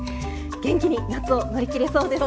元気に夏を乗り切れそうですね。